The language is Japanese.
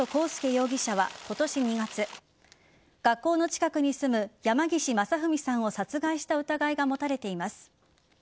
容疑者は今年２月学校の近くに住む山岸正文さんを殺害した疑いが持たれています。